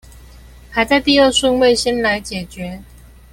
排在第二順位先來解決